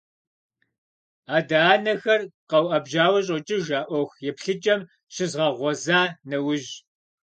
Адэ-анэхэр къэуӀэбжьауэ щӀокӀыж а Ӏуэху еплъыкӀэм щызгъэгъуэза нэужь.